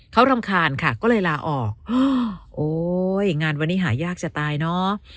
เขารำคาญค่ะก็เลยลาออกโอ๊ยงานวันนี้หายากจะตายเนอะ